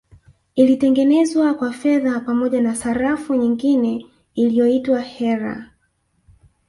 Ilitengenezwa kwa fedha pamoja na sarafu nyingine iliyoitwa Heller